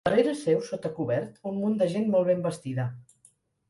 Darrere seu, sota cobert, un munt de gent molt ben vestida.